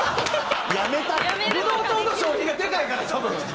ブドウ糖の消費がでかいから多分。